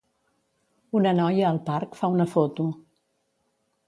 Una noia al parc fa una foto.